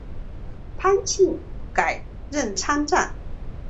潘靖改任参赞。